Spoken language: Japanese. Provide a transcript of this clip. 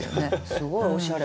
すごいおしゃれ。